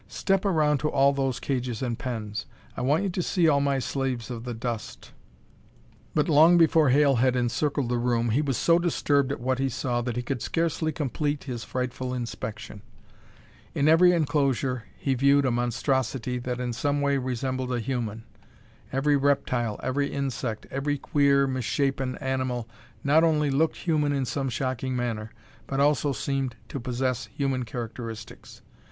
"Step around to all those cages and pens. I want you to see all my slaves of the dust." But long before Hale had encircled the room, he was so disturbed at what he saw that he could scarcely complete his frightful inspection. In every enclosure he viewed a monstrosity that in some way resembled a human. Every reptile, every insect, every queer, misshapen animal not only looked human in some shocking manner, but also seemed to possess human characteristics.